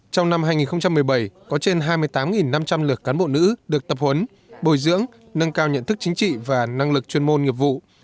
trong năm hai nghìn một mươi bảy có trên hai mươi tám năm trăm linh lượt cán bộ nữ được tập huấn bồi dưỡng nâng cao nhận thức chính trị và năng lực chuyên môn nghiệp vụ